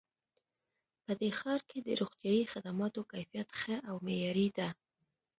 په دې ښار کې د روغتیایي خدماتو کیفیت ښه او معیاري ده